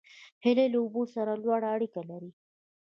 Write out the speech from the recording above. هیلۍ له اوبو سره لوړه اړیکه لري